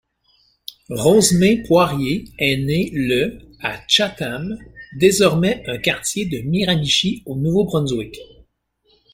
Rose-May Poirier est née le à Chatham, désormais un quartier de Miramichi au Nouveau-Brunswick.